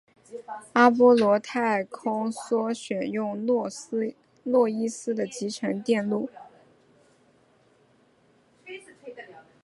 阿波罗太空梭选用诺伊斯的集成电路。